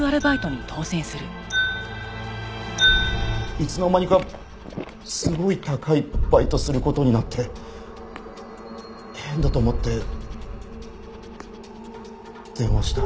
いつの間にかすごい高いバイトする事になって変だと思って電話したら。